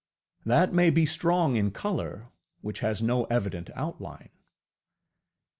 That may be strong in colour which has no evident outline.